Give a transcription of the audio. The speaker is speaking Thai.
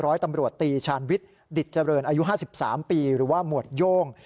ร้อยตำรวจตีชาญวิทย์ดิตเจริญอายุ๕๓ปีหรือว่าหมวดโย่ง